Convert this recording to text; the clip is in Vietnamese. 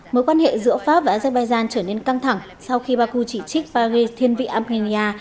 mối quan hệ giữa pháp và azerbaijan trở nên căng thẳng sau khi baku chỉ trích paris thiên vị argenia